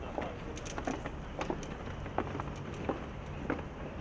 สวัสดีทุกคน